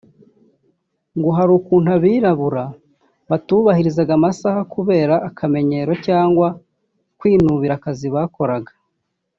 Ngo hari ukuntu abirabura batubahirizaga amasaha kubera akamenyero cyangwa kwinubira akazi bakoraga